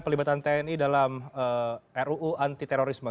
pelibatan tni dalam ruu anti terorisme